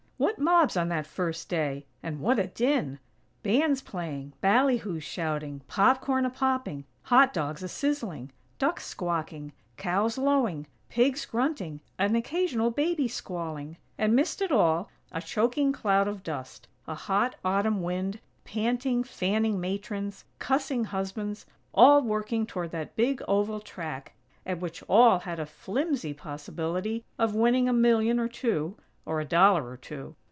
What mobs on that first day! And what a din!! Bands playing, ballyhoos shouting, popcorn a popping, "hot dogs" a sizzling, ducks squawking, cows lowing, pigs grunting, an occasional baby squalling; and 'midst it all, a choking cloud of dust, a hot Autumn wind, panting, fanning matrons, cussing husbands; all working toward that big oval track at which all had a flimsy possibility of winning a million or two (or a dollar or two!).